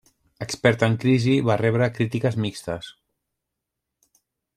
Experta en Crisi va rebre crítiques mixtes.